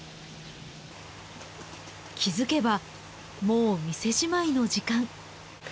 気づけばもう店じまいの時間。